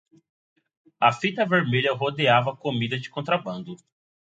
A fita vermelha rodeava a comida de contrabando.